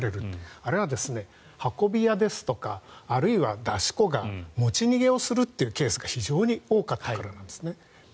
あれは運び屋ですとかあるいは出し子が持ち逃げするケースが非常に多かった。